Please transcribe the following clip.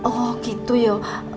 oh gitu yuk